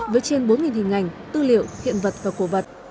với trên bốn hình ảnh tư liệu hiện vật và cổ vật